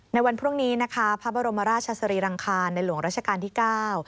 ในวันพรุ่งนี้นะคะพระบรมราชสรีรังคารในหลวงราชการที่เก้า